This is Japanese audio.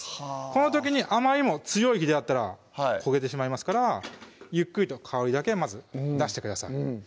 この時にあまりにも強い火でやったら焦げてしまいますからゆっくりと香りだけまず出してください